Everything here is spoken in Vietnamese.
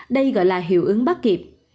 đây gọi là hiệu ứng bắt kịp